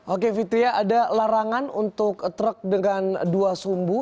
oke fitria ada larangan untuk truk dengan dua sumbu